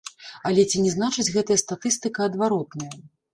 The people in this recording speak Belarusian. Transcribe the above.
Але ці не значыць гэтая статыстыка адваротнае?